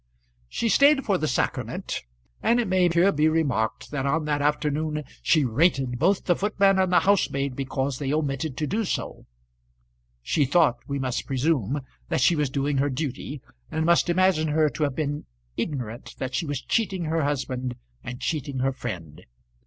She stayed for the sacrament, and it may here be remarked that on that afternoon she rated both the footman and housemaid because they omitted to do so. She thought, we must presume, that she was doing her duty, and must imagine her to have been ignorant that she was cheating her husband and cheating her friend.